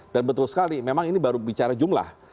dan betul sekali memang ini baru bicara jumlah